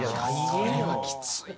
それはきつい。